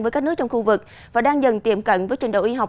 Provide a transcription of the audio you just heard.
với các nước trong khu vực và đang dần tiềm cận với trình độ y học